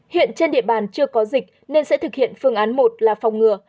hiện trên địa bàn chưa có dịch nên sẽ thực hiện phương án một là phòng ngừa